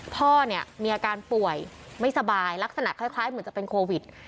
พ่อเนี่ยมีอาการป่วยไม่สบายลักษณะคล้ายเหมือนจะเป็นโควิด